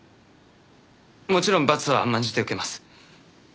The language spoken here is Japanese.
もちろん罰は甘んじて受けます。